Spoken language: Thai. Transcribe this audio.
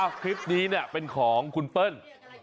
อ้าวคลิปนี้เป็นของคุณเปิ้ล